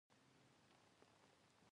نظام مصدر دی د نظم له کلمی څخه اخیستل شوی،